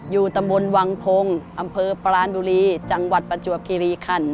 อยู่ตำบลวังพงศ์อำเภอปรานบุรีจังหวัดประจวบคิริคัน